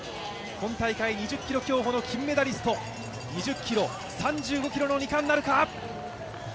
今大会２０ｋｍ競歩の金メダリスト、２０ｋｍ、３５ｋｍの２冠なるか。